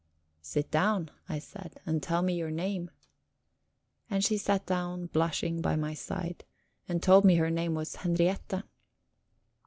"Sit down," I said, "and tell me your name." And she sat down, blushing, by my side, and told me her name was Henriette.